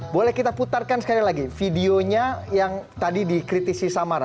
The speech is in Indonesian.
boleh kita putarkan sekali lagi videonya yang tadi dikritisi samara